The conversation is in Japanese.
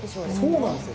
そうなんですよ。